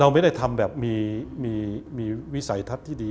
ไม่ได้ทำแบบมีวิสัยทัศน์ที่ดี